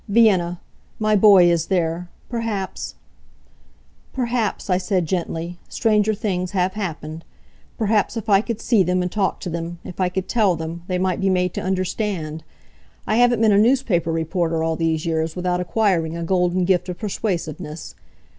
Vienna! My boy is there. Perhaps " "Perhaps," I said, gently. "Stranger things have happened. Perhaps if I could see them, and talk to them if I could tell them they might be made to understand. I haven't been a newspaper reporter all these years without acquiring a golden gift of persuasiveness.